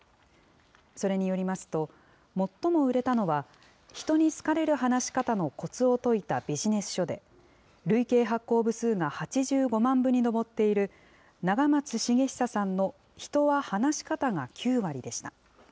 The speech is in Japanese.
それによりますと、最も売れたのは、人に好かれる話し方のこつを説いたビジネス書で、累計発行部数が８５万部に上っている、永松茂久さんの人は話し方が９割でした。